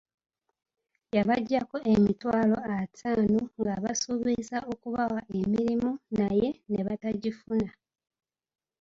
Yabaggyako emitwalo ataano ng’ebasuubizza okubawa emirimo naye ne batagifuna.